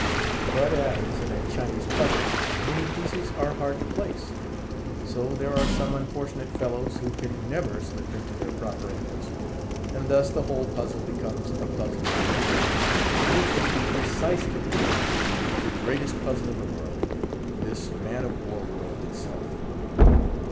But as, in a Chinese puzzle, many pieces are hard to place, so there are some unfortunate fellows who can never slip into their proper angles, and thus the whole puzzle becomes a puzzle indeed, which is the precise condition of the greatest puzzle in the world—this man of war world itself.